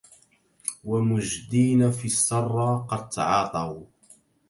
ومجدين في السرى قد تعاطوا